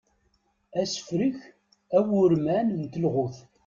Asefrek awurman n telɣut.